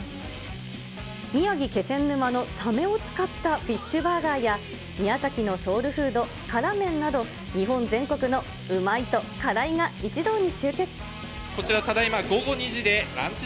宮城・気仙沼のサメを使ったフィッシュバーガーや宮崎のソウルフード、辛麺など、日本全国のうまいと辛いが一堂に集結。